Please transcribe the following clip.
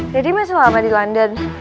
masih lama di london